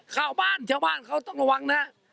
ชาวบ้านชาวบ้านเขาต้องระวังนะ